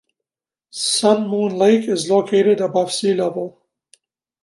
Sun Moon Lake is located above sea level.